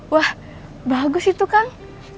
wah bagus itu kang